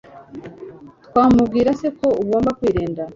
twamubwira se ko agomba kwirinda